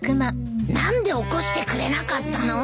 何で起こしてくれなかったの？